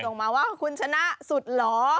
ลงมาว่าคุณชนะสุดหรอ